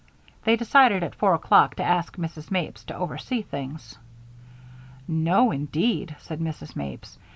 They decided, at four o'clock, to ask Mrs. Mapes to oversee things. "No, indeed," said Mrs. Mapes.